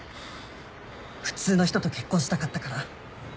普通の人と結婚したかったから。